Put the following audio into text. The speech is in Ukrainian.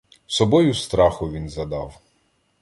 Собою страху він задав.